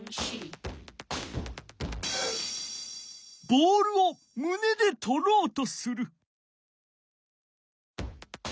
ボールをむねでとろうとする。